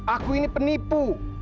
aku ini penipu